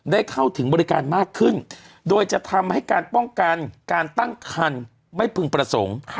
ได้เข้าถึงบริการมากขึ้นโดยจะทำให้การป้องกันการตั้งคันไม่พึงประสงค์